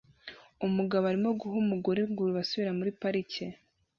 Umugabo arimo guha umugore ingurube asubira muri parike